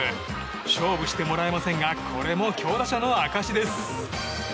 勝負してもらえませんがこれも強打者の証しです。